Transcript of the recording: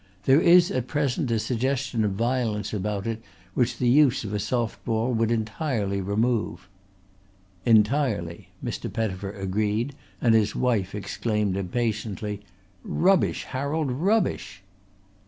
There is at present a suggestion of violence about it which the use of a soft ball would entirely remove." "Entirely," Mr. Pettifer agreed and his wife exclaimed impatiently: "Rubbish, Harold, rubbish!"